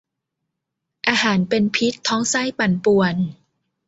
อาหารเป็นพิษ ท้องไส้ปั่นป่วน